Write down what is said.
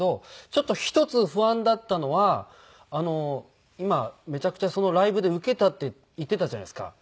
ちょっと一つ不安だったのは今「めちゃくちゃライブでウケた」って言ってたじゃないですか。